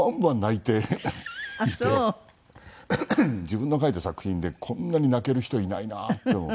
自分の書いた作品でこんなに泣ける人いないなと。